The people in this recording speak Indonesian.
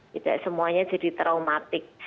tidak semuanya jadi traumatik